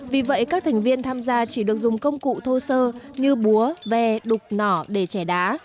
vì vậy các thành viên tham gia chỉ được dùng công cụ thô sơ như búa ve đục nỏ để trẻ đá